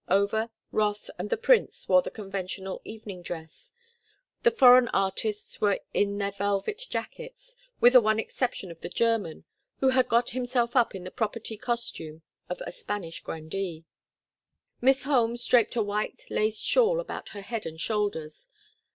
Over, Rothe, and the prince wore the conventional evening dress; the foreign artists were in their velvet jackets, with the one exception of the German, who had got himself up in the property costume of a Spanish grandee. Miss Holmes draped a white lace shawl about her head and shoulders.